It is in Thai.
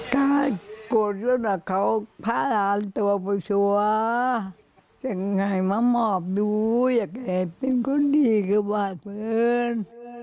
หลานมอบดูอยากให้เป็นคนดีก็บาดเฟิร์น